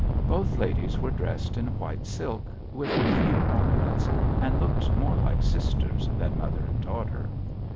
Both ladies were dressed in white silk, with few ornaments, and looked more like sisters than mother and daughter.